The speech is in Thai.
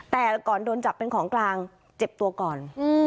แต่ก่อนโดนจับเป็นของกลางเจ็บตัวก่อน